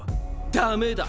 ダメだ。